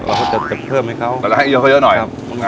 เราก็จะเติบเพิ่มให้เขาเดี๋ยวให้เยอะเข้าเยอะหน่อยครับ